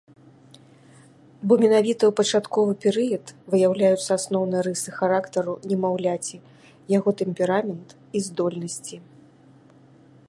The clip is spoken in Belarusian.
Бо менавіта ў пачатковы перыяд выяўляюцца асноўныя рысы характару немаўляці, яго тэмперамент і здольнасці.